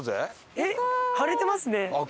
えっ晴れてますね！